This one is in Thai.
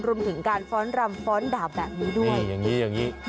รวมถึงการฟ้อนรำฟ้อนดาบแบบนี้ด้วย